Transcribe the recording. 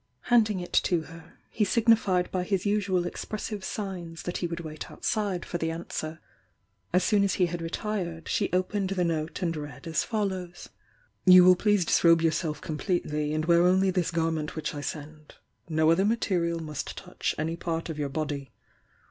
Handing it to her, he signified by his usual expressive signs that he would wait outside for the answer. As soon as he had retired, she opened the note and read as follows: "You will please disrobe yourself completely, and wear only this garment which I send. No other material must touch any part of your body.